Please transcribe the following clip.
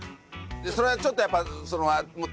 それはちょっとやっぱ。